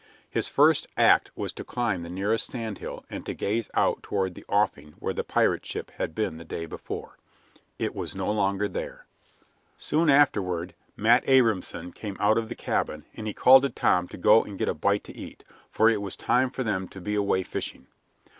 His first act was to climb the nearest sand hill and to gaze out toward the offing where the pirate ship had been the day before. It was no longer there. Soon afterward Matt Abrahamson came out of the cabin and he called to Tom to go get a bite to eat, for it was time for them to be away fishing.